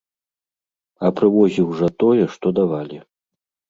А прывозіў жа, тое, што давалі.